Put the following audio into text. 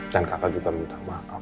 dan kakak juga minta maaf